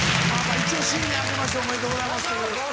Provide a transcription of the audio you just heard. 一応新年あけましておめでとうございます。